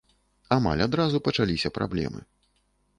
Амаль адразу пачаліся праблемы.